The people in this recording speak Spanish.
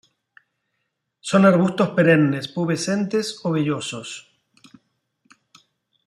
Son arbustos perennes pubescentes o vellosos.